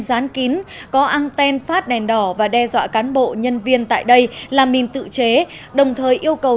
dán kín có anten phát đèn đỏ và đe dọa cán bộ nhân viên tại đây làm mình tự chế đồng thời yêu cầu